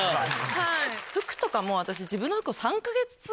はい服とかも私。